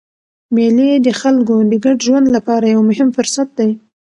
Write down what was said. مېلې د خلکو د ګډ ژوند له پاره یو مهم فرصت دئ.